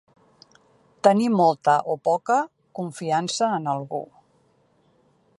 Tenir molta, o poca, confiança en algú.